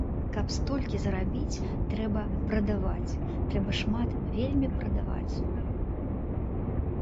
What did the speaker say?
Каб столькі зарабіць трэба прадаваць, трэба шмат вельмі прадаваць.